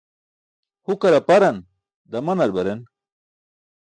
Hukar aparan, damanar baren.